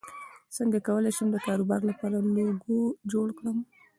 څنګه کولی شم د کاروبار لپاره لوګو جوړ کړم